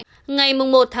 nhưng không lo ngại